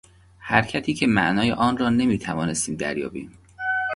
حرکتی که معنای آنرا نتوانستیم دریابیم